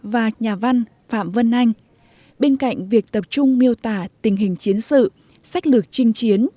và nhà văn phạm vân anh bên cạnh việc tập trung miêu tả tình hình chiến sự sách lược trinh chiến